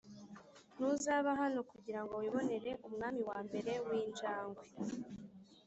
ntuzaba hano kugirango wibonere umwami wambere w'injangwe.